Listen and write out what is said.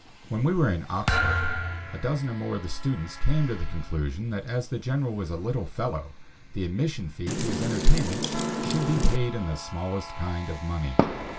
When we were in Oxford, a dozen or more of the students came to the conclusion that as the General was a little fellow, the admission fee to his entertainments should be paid in the smallest kind of money.